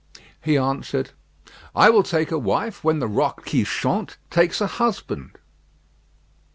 He answered, "I will take a wife when the Roque qui Chante takes a husband."